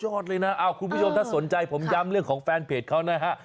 เลยนะคุณผู้ชมถ้าสนใจผมย้ำเรื่องของแฟนเพจเขานะฮะ